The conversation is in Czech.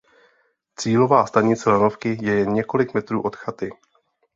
Cílová stanice lanovky je jen několik metrů od chaty.